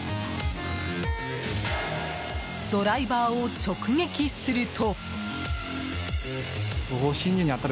ドライバーを直撃すると。